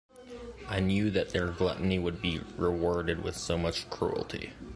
I knew that their gluttony would be rewarded with so much cruelty.